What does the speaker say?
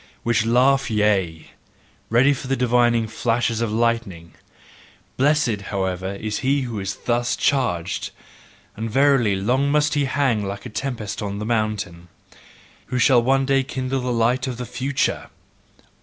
which laugh Yea! ready for divining flashes of lightning: Blessed, however, is he who is thus charged! And verily, long must he hang like a heavy tempest on the mountain, who shall one day kindle the light of the future!